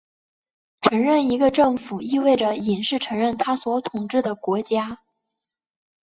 承认一个政府意味着隐式承认它所统治的国家。